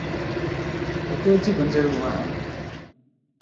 O tooi di bindirigu maa?